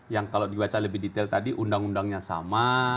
yang kalau dibaca lebih detail tadi undang undangnya sama